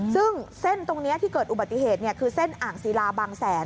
ซึ่งเส้นตรงนี้ที่เกิดอุบัติเหตุคือเส้นอ่างศิลาบางแสน